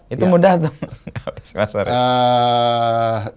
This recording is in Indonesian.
itu mudah tuh mas arief